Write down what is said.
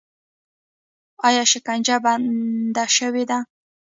آیا شکنجه بنده شوې ده؟